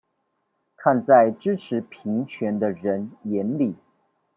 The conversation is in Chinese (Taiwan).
看在支持平權的人眼裡